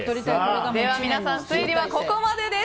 では皆さん推理はここまでです。